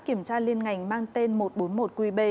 kiểm tra liên ngành mang tên một trăm bốn mươi một qb